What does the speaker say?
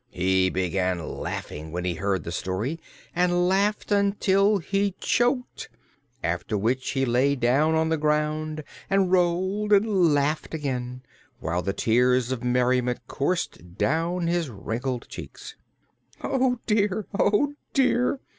He began laughing when he heard the story and laughed until he choked, after which he lay down on the ground and rolled and laughed again, while the tears of merriment coursed down his wrinkled cheeks. "Oh, dear! Oh, dear!"